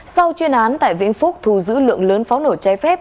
sau chuyên án tại viễn phúc thu giữ lượng lớn pháo nổ chai phép